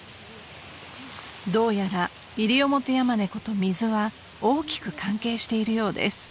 ［どうやらイリオモテヤマネコと水は大きく関係しているようです］